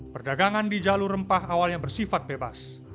perdagangan di jalur rempah awalnya bersifat bebas